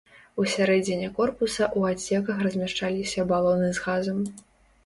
Усярэдзіне корпуса ў адсеках размяшчаліся балоны з газам.